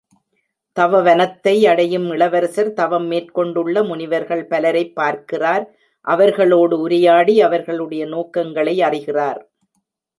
தவவனத்தை அடையும் இளவரசர் தவம் மேற்கொண்டுள்ள முனிவர்கள் பலரைப் பார்க்கிறார் அவர்களோடு உரையாடி அவர்களுடைய நோக்கங்களை அறிகிறார்.